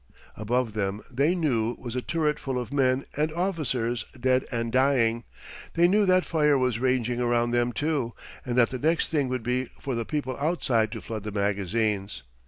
Above them, they knew, was a turret full of men and officers dead and dying; they knew that fire was raging around them, too, and that the next thing would be for the people outside to flood the magazines.